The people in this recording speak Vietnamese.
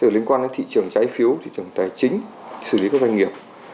liên quan đến thị trường trái phiếu thị trường tài chính xử lý các doanh nghiệp